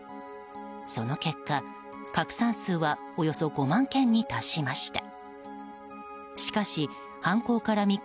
その結果、拡散数はおよそ５万件に達しました。